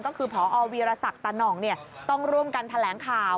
ก็คือพอวีรศักดิ์ตะหน่องต้องร่วมกันแถลงข่าว